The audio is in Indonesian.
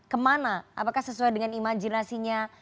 kemana apakah sesuai dengan imajinasinya